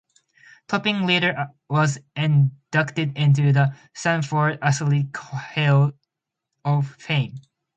Topping later was inducted into the Stanford Athletics Hall of Fame.